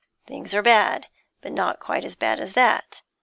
Things are bad, but not quite as bad as that.